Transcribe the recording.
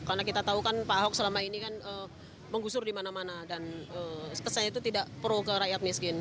karena kita tahu kan pak ahok selama ini kan menggusur di mana mana dan kesan itu tidak pro ke rakyat miskin